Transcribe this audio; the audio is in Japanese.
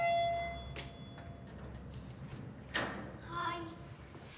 はい。